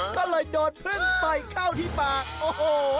ก็เลยโดนพึ่งต่อยเข้าที่ปากโอ้โห